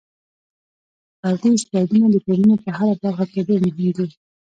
فردي استعدادونه د ټولنې په هره برخه کې ډېر مهم دي.